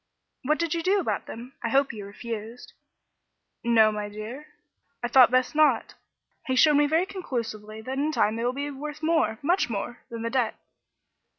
"What did you do about them? I hope you refused." "No, my dear. I thought best not. He showed me very conclusively that in time they will be worth more much more than the debt."